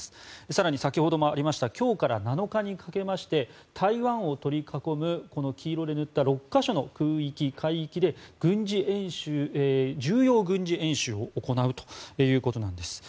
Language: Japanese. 更に先ほどもありました今日から７日にかけまして台湾を取り囲む、黄色で塗った６か所の空域、海域で重要軍事演習を行うということなんです。